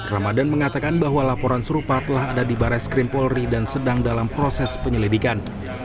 ramadan mengatakan bahwa laporan serupa telah ada di barres krim polri dan sedang dalam proses penyelidikan